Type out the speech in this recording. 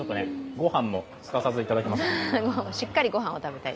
ご飯もすかさずいただきます。